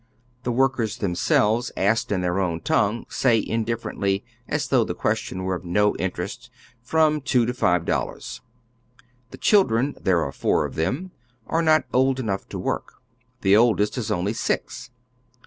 The workers tlienieelves, asked in their own tongue, say indifferently, as though the question were of no interest : from two tofivedollars. Thechildi en — there are four of tliem — are not old enough to work. The oldest is only six.